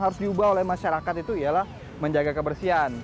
harus diubah oleh masyarakat itu ialah menjaga kebersihan